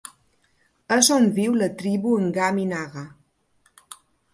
És on viu la tribu Angami Naga.